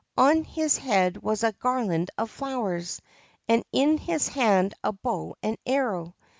On his head was a garland of flowers, and in his hand a bow and arrow.